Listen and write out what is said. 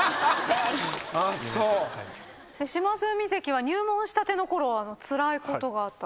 島津海関は入門したてのころつらいことがあったと。